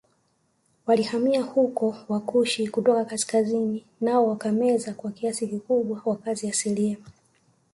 Walihamia huko Wakushi kutoka kaskazini nao wakameza kwa kiasi kikubwa wakazi asili